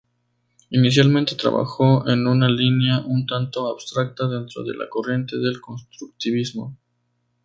Inicialmente trabajó en una línea un tanto abstracta dentro de la corriente del constructivismo.